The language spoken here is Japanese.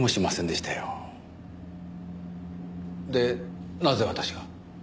でなぜ私が？